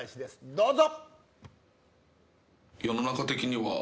どうぞ。